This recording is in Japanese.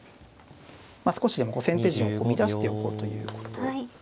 まあ少しでも先手陣を乱しておこうということですね。